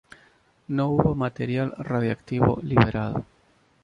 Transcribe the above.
No hubo material radiactivo liberado.